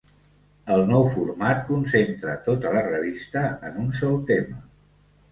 El nou format concentra tota la revista en un sol tema.